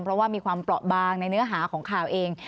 เพราะว่ามีความเปราะบางในเนื้อหาของข่าวเอง